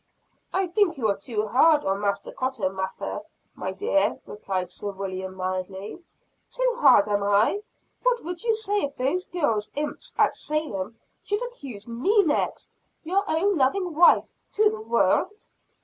"I think you are too hard on Master Cotton Mather, my dear," replied Sir William mildly. "Too hard, am I? What would you say if those girl imps at Salem should accuse me next! Your own loving wife, to the world."